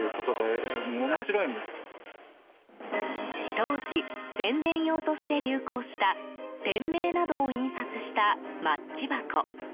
当時、宣伝用として流行した店名などを印刷したマッチ箱。